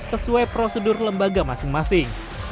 sesuai prosedur lembaga masing masing